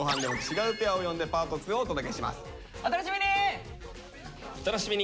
お楽しみに！